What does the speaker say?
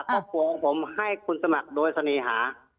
กระโกงผมให้คุณสมัครโดยศรีหา